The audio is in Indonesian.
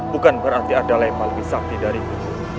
bukan berarti ada yang lebih sakti dariku